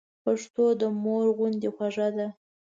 پښتو د مور غوندي خوږه ده.